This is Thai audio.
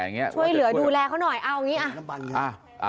ช่วยเหลือดูแลเขาหน่อยเอางี้อะ